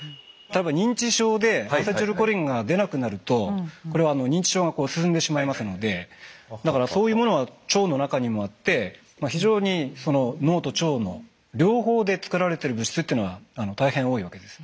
認知症でアセチルコリンが出なくなるとこれは認知症が進んでしまいますのでだからそういうものは腸の中にもあってまあ非常に脳と腸の両方でつくられてる物質っていうのは大変多いわけです。